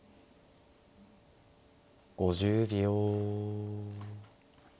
５０秒。